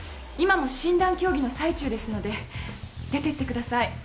今も診断協議の最中ですので出てってください。